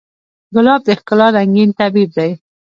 ګلاب د ښکلا رنګین تعبیر دی.